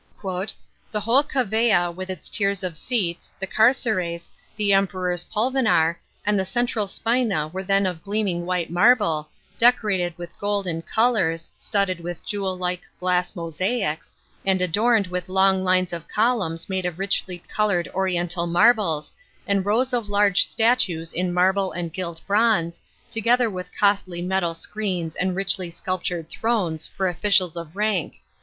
" The whole cavea, with its tiers of seats, the carceres, the Emperor's pulvinar, and the central spina were then of gleaming white marble, decorated with gold and colours, studded with jewel like glass mosaics, and adorned with long lines of columns made of richly coloured oriental maibles, and ro»vB of large statues in marble and gilt bronze, together with costly metal screens and richly sculptured thrones for officials of rank."